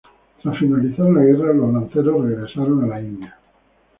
Tras finalizar la guerra los lanceros regresaron a la India.